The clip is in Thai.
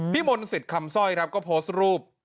พี่มนศิษย์คำสร้อยก็โพสต์รูป